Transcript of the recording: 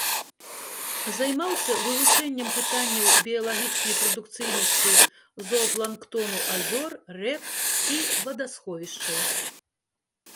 Займаўся вывучэннем пытанняў біялагічнай прадукцыйнасці зоапланктону азёр, рэк і вадасховішчаў.